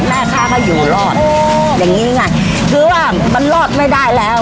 แม่ค้าก็อยู่รอดอย่างงี้ไงคือว่ามันรอดไม่ได้แล้ว